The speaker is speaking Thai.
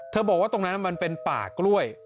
บอกว่าตรงนั้นมันเป็นป่ากล้วย